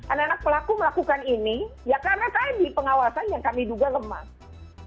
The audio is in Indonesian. anak anak pelaku melakukan ini ya karena tadi pengawasannya kami juga lemah